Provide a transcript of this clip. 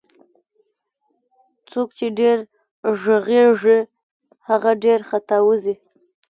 څوک چي ډير ږغږي هغه ډير خطاوزي